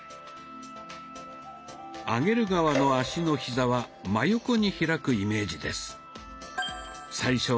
上げる側の脚のひざは真横に開くイメージです。